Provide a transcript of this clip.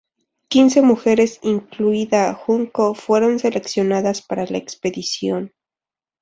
Quince mujeres incluida Junko fueron seleccionadas para la expedición.